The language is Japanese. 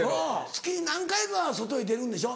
月に何回かは外に出るんでしょ？